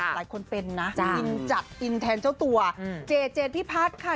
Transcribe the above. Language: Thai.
หลายคนเป็นนะอินจัดอินแทนเจ้าตัวเจเจนพิพัฒน์ค่ะ